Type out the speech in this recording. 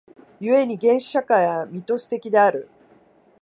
故に原始社会はミトス的である。